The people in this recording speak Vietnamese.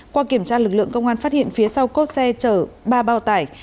qua kiểm tra lực lượng công an phát hiện phía sau cốp xe chở ba bao tải